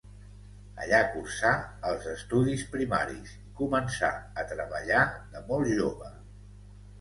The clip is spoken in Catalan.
Allà cursà els estudis primaris i començà a treballar de molt jove.